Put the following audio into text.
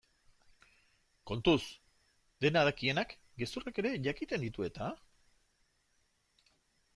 Kontuz, dena dakienak gezurrak ere jakiten ditu eta?